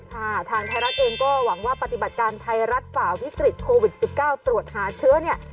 ทางไทยรัฐเองก็หวังว่าปฏิบัติการไทยรัฐฝ่าวิกฤตโควิด๑๙ตรวจหาเชื้อเนี่ย